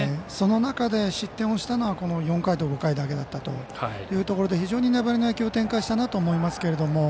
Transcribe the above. その中で失点をしたのはこの４回と５回だけだったというところで非常に粘りの野球を展開したなと思います。